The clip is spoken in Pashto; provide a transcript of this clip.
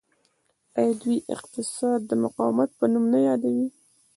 آیا دوی اقتصاد د مقاومت په نوم نه یادوي؟